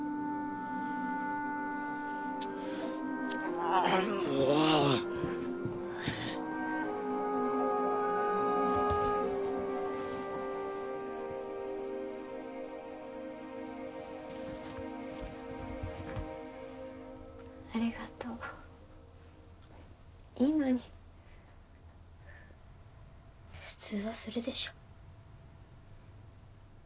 ああもうッありがとういいのに普通はするでしょ